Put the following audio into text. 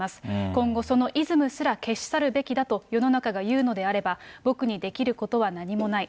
今後そのイズムすら消し去るべきだと、世の中が言うのであれば、僕にできることは何もない。